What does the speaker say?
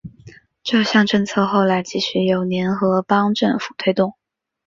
这项政策后来继续由联合邦政府推动。